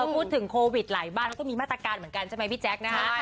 พูดถึงโควิดหลายบ้านเขาก็มีมาตรการเหมือนกันใช่ไหมพี่แจ๊คนะฮะ